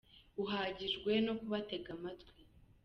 uhagije no kubatega amatwi.